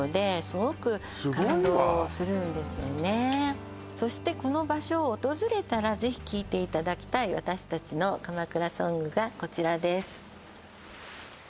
すごいわそしてこの場所を訪れたらぜひ聴いていただきたい私達の鎌倉ソングがこちらです